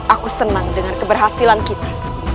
aku senang dengan keberhasilan kita